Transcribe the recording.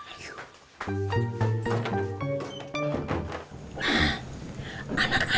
anak anak udah pada tidur kang